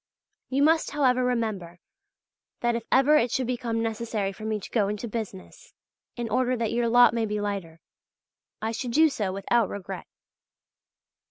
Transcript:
You must, however, remember that if ever it should become necessary for me to go into business, in order that your lot may be lighter, I should do so without regret.